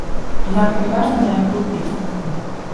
І нават не важна, на якую песню.